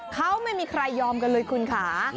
เขาไม่มีใครยอมกันเลยคุณค่ะ